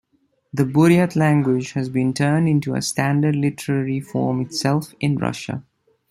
The Buryat language has been turned into a standard literary form itself in Russia.